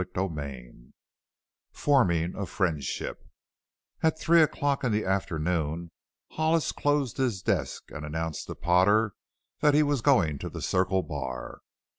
CHAPTER XXX FORMING A FRIENDSHIP At three o'clock in the afternoon Hollis closed his desk and announced to Potter that he was going to the Circle Bar.